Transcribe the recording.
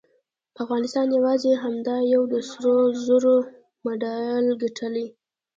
افغانستان یواځې همدا یو د سرو زرو مډال ګټلی